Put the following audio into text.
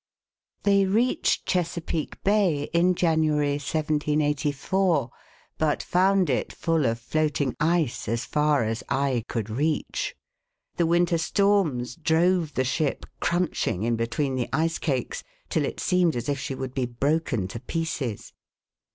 They reached Chesapeake Bay in January, 1784, but 45 The Original John Jacob Astor found it full of floating ice as far as eye could reach. The winter storms drove the ship crunching in between the ice cakes till it seemed as if she would b3 broken to pieces.